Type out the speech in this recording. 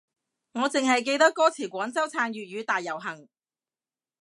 我淨係記得歌詞廣州撐粵語大遊行